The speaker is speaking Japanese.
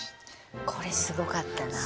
これすごかったなあ。